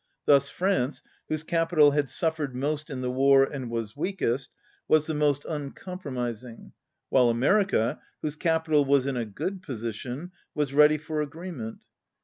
Thus France, whose capital had suffered most in the war and was weakest, was the most uncompromising, while America, whose capi tal was in a good position, was ready for agree ment.